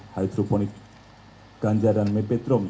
hydroponik ganja dan mepetrum